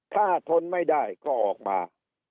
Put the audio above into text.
ถ้าทนไม่ได้ก็ออกมา